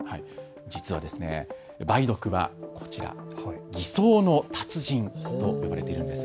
実は梅毒は偽装の達人と呼ばれているんです。